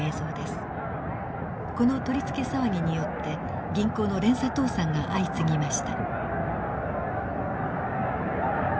この取り付け騒ぎによって銀行の連鎖倒産が相次ぎました。